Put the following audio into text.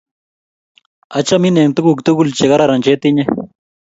achamin eng' tuguk tugul che kararan cheitinye